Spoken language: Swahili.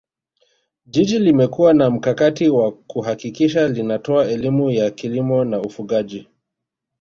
Jiji limekuwa na mkakati wa kuhakikisha linatoa elimu ya kilimo na ufugaji